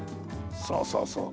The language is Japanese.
そうそうそう。